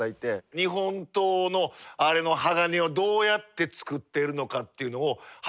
日本刀のあれの鋼をどうやって作ってるのかっていうのを初めて知って。